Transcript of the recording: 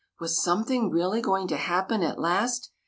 Was something really going to happen at last?